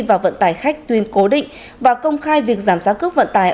và vận tải khách tuyên cố định và công khai việc giảm giá cước vận tải